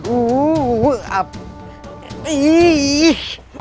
uh uh api ih